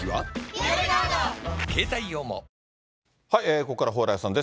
ここからは蓬莱さんです。